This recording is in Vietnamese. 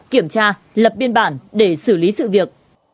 kiểm tra lập biên bản để xử lý sự việc